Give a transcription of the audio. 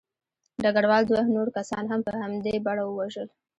ډګروال دوه نور کسان هم په همدې بڼه ووژل